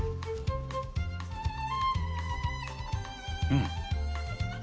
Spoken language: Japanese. うん。